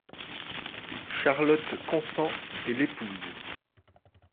Charlotte consent et l'épouse.